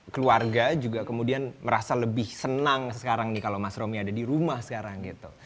keluarga juga kemudian merasa lebih senang sekarang nih kalau mas romi ada di rumah sekarang gitu